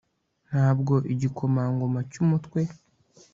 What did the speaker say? ntabwo igikomangoma cyumutwe